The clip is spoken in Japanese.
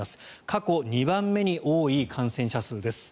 過去２番目に多い感染者数です。